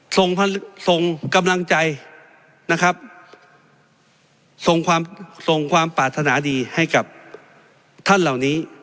ส่งส่งกำลังใจนะครับส่งความส่งความปรารถนาดีให้กับท่านเหล่านี้